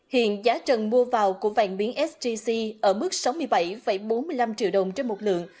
hiện giá trần mua vào của vàng miếng sgc ở mức sáu mươi bảy bốn mươi năm triệu đồng trên một lượng